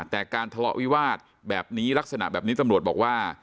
แต่การทะเลาะวิวาสแบบนี้ลักษณะแบบนี้ตำรวจบอกว่า